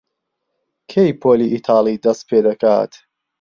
کەی پۆلی ئیتاڵی دەست پێ دەکات؟